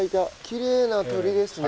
きれいな鳥ですね。